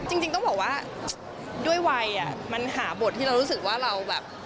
จริงต้องบอกว่าด้วยวัยมันหาบทที่เรารู้สึกว่าเราแบบ